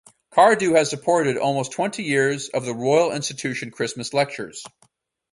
Cardew has supported almost twenty years of the Royal Institution Christmas Lectures.